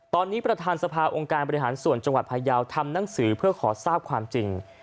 ตอนนี้ประธานสภาองค์การบริหารส่วนจังหวัดพายาวทำหนังสือเพื่อขอทราบความจริง